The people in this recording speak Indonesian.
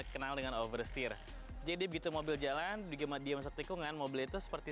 kenal dengan oversteer jadi begitu mobil jalan dikembali masuk tikungan mobil itu seperti